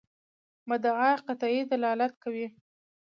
مدعا قطعي دلالت کوي.